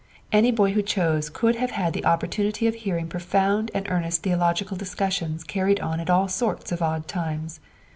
Any boy who chose could have had the opportunity of hearing profound and earnest theological discussions carried on at all sorts of odd times.